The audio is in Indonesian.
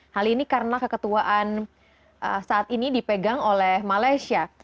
hal ini karena keketuaan saat ini dipegang oleh malaysia